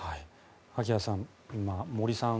萩谷さん、森さん